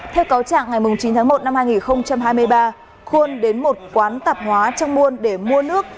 theo cáo trạng ngày chín tháng một năm hai nghìn hai mươi ba khuôn đến một quán tạp hóa trong buôn để mua nước